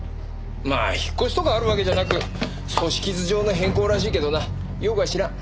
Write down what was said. まあ引っ越しとかあるわけじゃなく組織図上の変更らしいけどなよくは知らん。